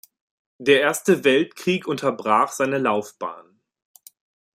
Der Erste Weltkrieg unterbrach seine Laufbahn.